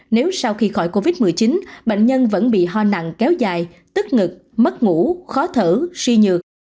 nếu sau khi khỏi covid một mươi chín bệnh nhân vẫn bị ho nặng kéo dài tức ngực mất ngủ khó thở suy nhược